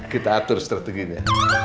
kita atur strateginya